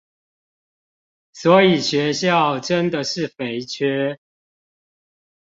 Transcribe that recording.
所以學校真的是肥缺